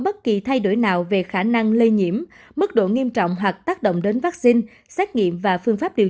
bất kỳ thay đổi nào về khả năng lây nhiễm mức độ nghiêm trọng hoặc tác động đến vaccine